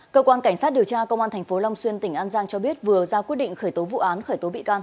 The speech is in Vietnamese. cơ quan cảnh sát điều tra công an tp long xuyên tỉnh an giang cho biết vừa ra quyết định khởi tố vụ án khởi tố bị can